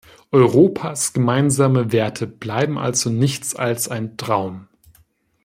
Europas gemeinsame Werte bleiben also nichts als ein Traum.